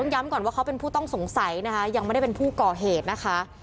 ย้ำก่อนว่าเขาเป็นผู้ต้องสงสัยนะคะยังไม่ได้เป็นผู้ก่อเหตุนะคะ